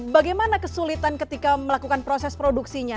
bagaimana kesulitan ketika melakukan proses produksinya